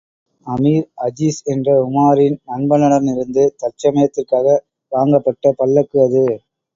அமீர் அஜீஸ் என்ற உமாரின் நண்பனிடமிருந்து, தற்சமயத்திற்காக வாங்கப்பட்ட பல்லக்கு அது.